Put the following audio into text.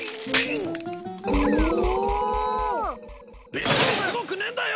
別にすごくねえんだよ！